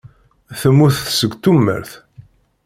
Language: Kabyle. Temmut seg tumert.